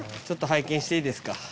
ちょっと拝見していいですか。